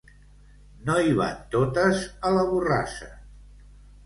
No hi van totes, a la borrassa.